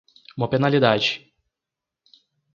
Uma penalidade.